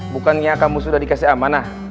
bukannya kamu sudah dikasih amanah